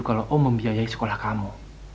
kalau oh membiayai sekolah kamu